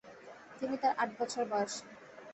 তিনি তার আট বছর বয়সী।